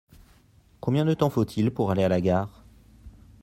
Combien de temps faut-il pour aller à la gare ?